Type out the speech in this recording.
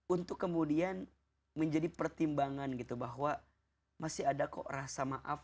untuk kemudian menjadi pertimbangan gitu bahwa masih ada kok rasa maaf